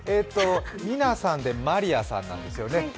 みなさんで、まりあさんなんですよね。